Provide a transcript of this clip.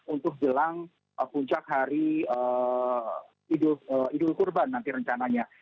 untuk jelang puncak hari idul kurban nanti rencananya